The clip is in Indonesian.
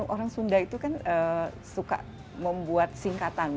orang sunda itu kan suka membuat singkatan